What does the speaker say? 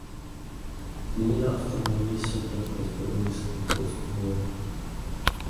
Zmíněná ustanovení jsou proto v rozporu s Lisabonskou smlouvou.